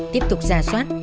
tiếp tục giả soát